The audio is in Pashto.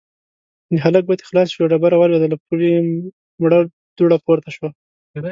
د هلک ګوتې خلاصې شوې، ډبره ولوېده، له پولې مړه دوړه پورته شوه.